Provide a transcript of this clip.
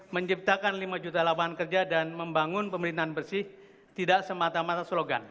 menciptakan lima juta lapangan kerja dan membangun pemerintahan bersih tidak semata mata slogan